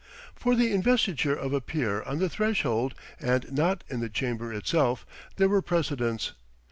For the investiture of a peer on the threshold, and not in the chamber itself, there were precedents.